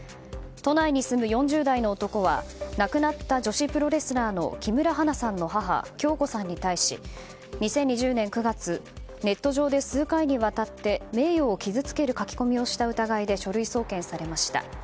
都内に住む４０代の男は亡くなった女子プロレスラーの木村花さんの母・響子さんに対し２０２０年９月ネット上で、数回にわたって名誉を傷つける書き込みをした疑いで書類送検されました。